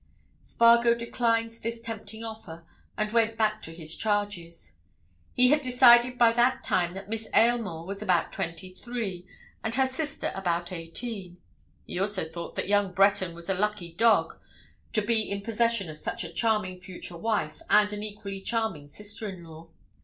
Spargo declined this tempting offer, and went back to his charges. He had decided by that time that Miss Aylmore was about twenty three, and her sister about eighteen; he also thought that young Breton was a lucky dog to be in possession of such a charming future wife and an equally charming sister in law.